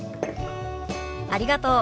ありがとう。